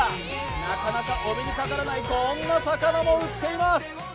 なかなかお目にかからないこんな魚も売っています。